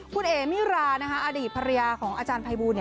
คุณเอ๋มิราคุณผู้ชมของอาจารย์ไพบูน